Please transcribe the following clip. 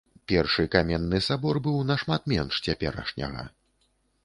Першы каменны сабор быў нашмат менш цяперашняга.